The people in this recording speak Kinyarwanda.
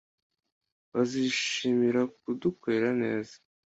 Bazishimira kudukorera neza